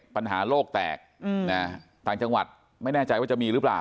ปัญหาโลกแตกต่างจังหวัดไม่แน่ใจว่าจะมีหรือเปล่า